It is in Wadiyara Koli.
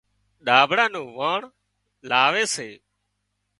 ڏاڀڙا نُون واڻ لاوي سي